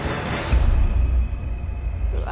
うわ